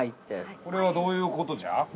◆これはどういうことじゃ？